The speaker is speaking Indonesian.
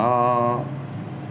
enggak bisa dibeli lagi